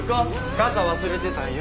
傘忘れてたよ。